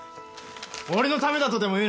俺のためだとでもいうのかよ。